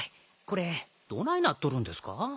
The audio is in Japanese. これどないなっとるんですか？